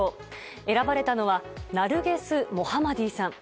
選ばれたのはナルゲス・モハマディさん。